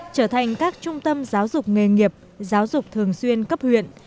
trở thành các trung tâm giáo dục nghề nghiệp giáo dục thường xuyên cấp huyện